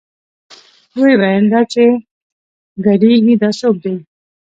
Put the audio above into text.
ويې ويل دا چې ګډېګي دا سوک دې.